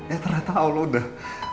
ya ternyata allah udah